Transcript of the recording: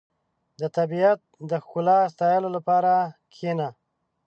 • د طبیعت د ښکلا ستایلو لپاره کښېنه.